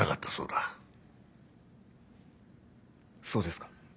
そうですか。